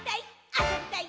あそびたい！」